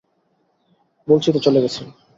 বলছি তো চলে গেছেন।